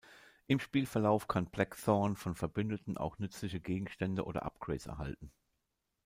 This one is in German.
Im Spielverlauf kann Blackthorne von Verbündeten auch nützliche Gegenstände oder Upgrades erhalten.